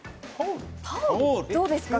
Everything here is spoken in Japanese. どうですか？